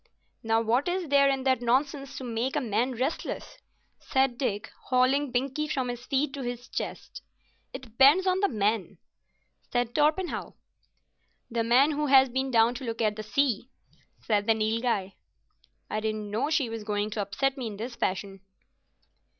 "Now what is there in that nonsense to make a man restless?" said Dick, hauling Binkie from his feet to his chest. "It depends on the man," said Torpenhow. "The man who has been down to look at the sea," said the Nilghai. "I didn't know she was going to upset me in this fashion."